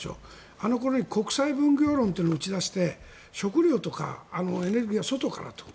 あの頃に国際分業論というのを打ち出して食料とかエネルギーは外からと。